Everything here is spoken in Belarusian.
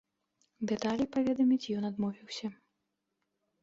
Дэталі паведаміць ён адмовіўся.